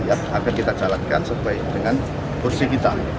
agar kita jalankan sebaik dengan kursi kita